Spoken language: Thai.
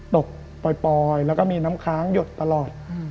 ตกปล่อยแล้วก็มีน้ำค้างหยดตลอด